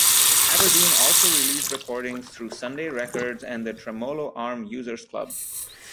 Aberdeen also released recordings through Sunday Records and the Tremolo Arm Users Club.